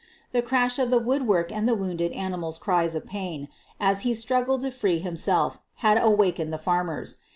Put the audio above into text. The crash of the woodwork and the wounded ani < mal's cries of pain as he struggled to free himself i had awakened the farmers.